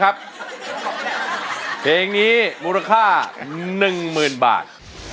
นะครับเพลงนี้มูลค่า๑หมื่นบาท